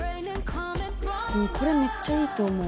これめっちゃいいと思う。